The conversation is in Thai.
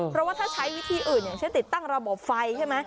เพราะว่าถ้าใช้วิธีอื่นอย่างเช่นติดตั้งระบบไฟใช่ไหม